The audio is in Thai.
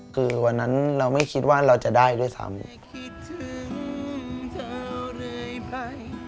คือวันนั้นเราไม่คิดว่าเราจะได้ด้วยซ้ำ